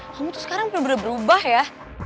kamu tuh sekarang bener bener berubah ya